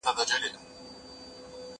زه به سبا مېوې وچوم وم